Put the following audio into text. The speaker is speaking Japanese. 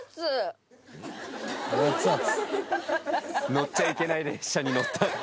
乗っちゃいけない列車に乗った。